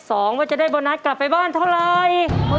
ว่าจะได้โบนัสกลับไปบ้านเท่าไร